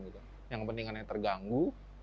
jadi yang punya kepentingan yang kepentingannya terganggu